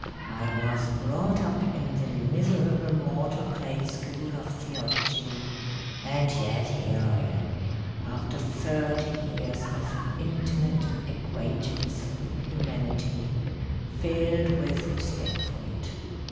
I was brought up in the miserable mortal clay school of theology, and yet here I am, after thirty years of intimate acquaintance with humanity, filled with respect for it.